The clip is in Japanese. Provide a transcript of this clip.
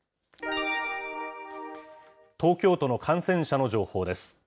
東京都の感染者の情報です。